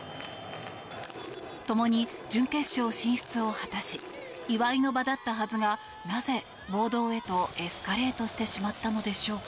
共に準決勝進出を果たし祝いの場だったはずがなぜ暴動へとエスカレートしてしまったのでしょうか？